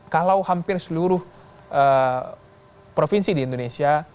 kalau hampir seluruh provinsi di indonesia